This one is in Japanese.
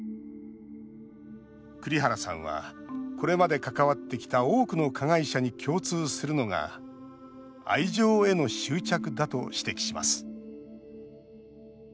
栗原さんはこれまで関わってきた多くの加害者に共通するのが愛情への執着だと指摘します